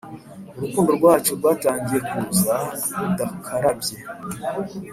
urukundo rwacu rwatangiye kuza rudakarabye,